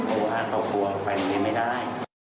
โอ้โฮอาจต่อตัวไปไม่ได้